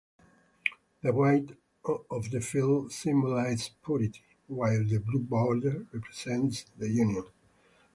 The white of the field symbolizes purity, while the blue border represents the Union.